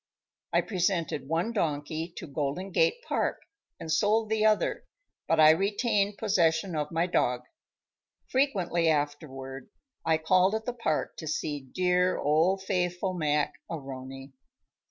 I presented one donkey to Golden Gate Park, and sold the other, but I retained possession of my dog. Frequently afterward I called at the park to see dear old faithful Mac A'Rony.